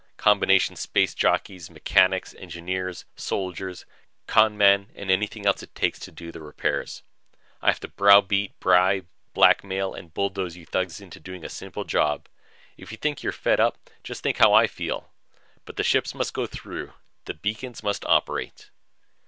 Combination space jockeys, mechanics, engineers, soldiers, con men and anything else it takes to do the repairs. I have to browbeat, bribe, blackmail and bulldoze you thugs into doing a simple job. If you think you're fed up, just think how I feel. But the ships must go through! The beacons must operate!"